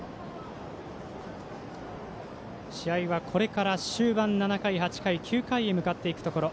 試合はこれから終盤７回、８回、９回に入っていくところ。